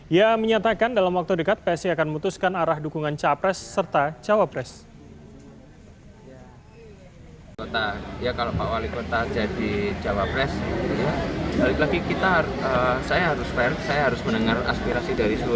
ia menyatakan dalam waktu dekat psi akan memutuskan arah dukungan capres serta cawapres